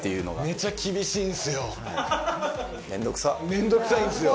めんどくさいんすよ。